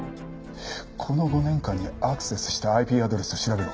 この５年間にアクセスしたＩＰアドレスを調べろ。